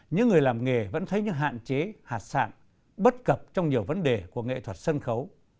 những người làm nghề vẫn thấy những hạn chế hạt sạng bất cập trong nhiều vấn đề của nghệ thuật sân khấu